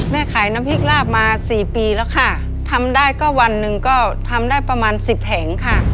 แม่ขายน้ำพริกลาบมาสี่ปีแล้วค่ะทำได้ก็วันหนึ่งก็ทำได้ประมาณสิบแห่งค่ะ